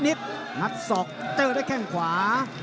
นัดสอกแนวไตรโอจรั้งได้แข้งขวา